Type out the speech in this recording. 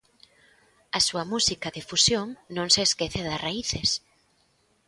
A súa música de fusión non se esquece das raíces.